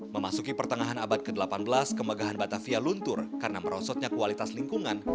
memasuki pertengahan abad ke delapan belas kemegahan batavia luntur karena merosotnya kualitas lingkungan